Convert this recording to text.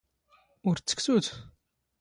ⵓⵔ ⵜ ⵜⴽⵜⵓⵜ?